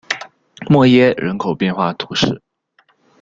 默耶人口变化图示